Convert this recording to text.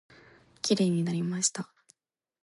きれいになりました。